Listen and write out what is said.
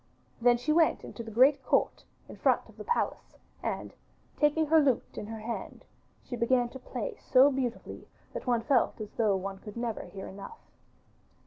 Then she went into the great court in front of the palace, and taking her lute in her hand, she began to play so beautifully that one felt as though one could never hear enough.